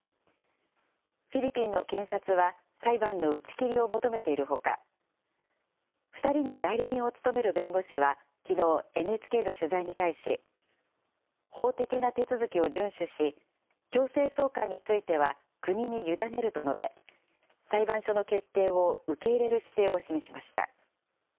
フィリピンの検察は裁判の打ち切りを求めているほか、２人の代理人を務める弁護士は、きのう、ＮＨＫの取材に対し、法的な手続きを順守し、強制送還については国に委ねると述べ、裁判所の決定を受け入れる姿勢を示しました。